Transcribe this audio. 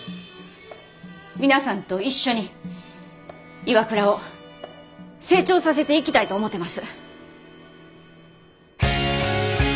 皆さんと一緒にＩＷＡＫＵＲＡを成長させていきたいと思てます。